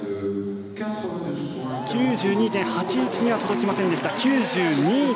９２．８１には届きませんでした。